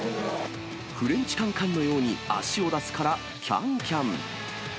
フレンチカンカンのように足を出すから、キャンキャン。